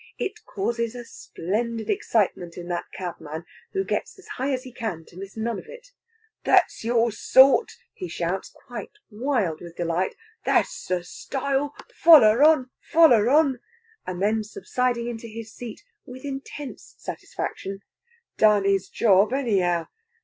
It causes a splendid excitement in that cabman, who gets as high as he can, to miss none of it. "That's your sort!" he shouts, quite wild with delight. "That's the style! Foller on! Foller on!" And then, subsiding into his seat with intense satisfaction, "Done his job, anyhow!